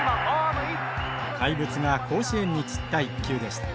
怪物が甲子園に散った一球でした。